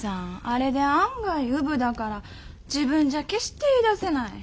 あれで案外うぶだから自分じゃ決して言いだせない。